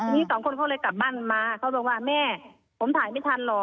เขาก็เลยว่าแม่เขาบอกว่าให้เอาหอยโรตเตอรี่ให้พี่น้อยเอาไปขึ้นแล้ว